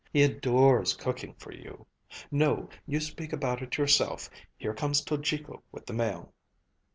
He adores cooking for you. No, you speak about it yourself. Here comes Tojiko with the mail."